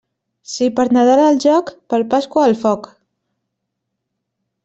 Si per Nadal al joc, per Pasqua al foc.